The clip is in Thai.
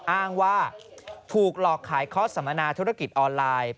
อ้างว่าถูกหลอกขายคอร์สสัมมนาธุรกิจออนไลน์